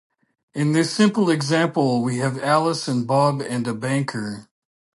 In this simple example we have Alice and Bob and a banker.